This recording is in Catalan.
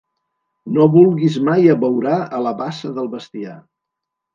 No vulguis mai abeurar a la bassa del bestiar.